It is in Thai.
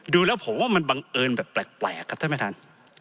ดูแล้วผมว่ามันบังเอิญแบบแปลกครับท่านประธาน